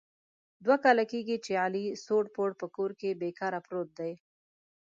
دوه کال کېږي چې علي سوړ پوړ په کور کې بې کاره پروت دی.